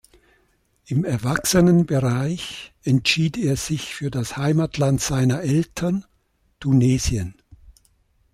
Im Erwachsenenbereich entschied er sich für das Heimatland seiner Eltern, Tunesien.